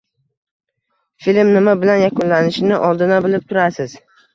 Film nima bilan yakunlanishini oldindan bilib turasiz